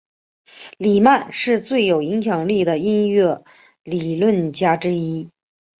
里曼是最有影响力的音乐理论家之一。